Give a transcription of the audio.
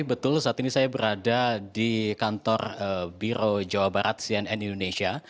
betul saat ini saya berada di kantor biro jawa barat cnn indonesia